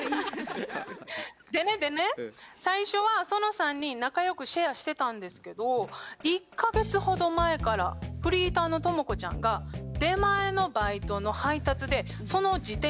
でねでね最初はその３人仲良くシェアしてたんですけど１か月ほど前からフリーターのトモコちゃんが出前のバイトの配達でその自転車を使うようになったんです。